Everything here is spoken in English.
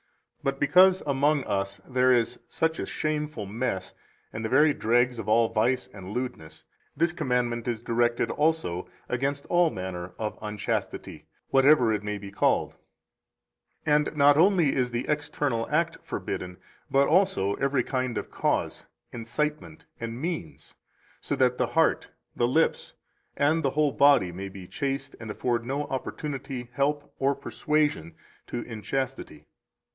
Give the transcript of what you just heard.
202 But because among us there is such a shameful mess and the very dregs of all vice and lewdness, this commandment is directed also against all manner of unchastity, whatever it may be called; 203 and not only is the external act forbidden, but also every kind of cause, incitement, and means, so that the heart, the lips, and the whole body may be chaste and afford no opportunity, help, or persuasion to inchastity.